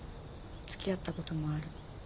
つきあったこともある。